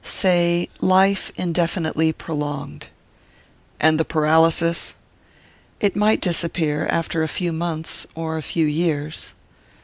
Say life indefinitely prolonged." "And the paralysis?" "It might disappear after a few months or a few years."